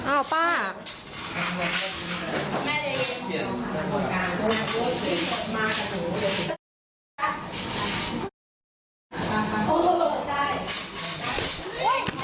อ้าวป้าแม่ได้เรียนหัวจามากท่าครับ